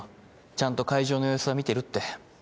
ちゃんと会場の様子は見てるって。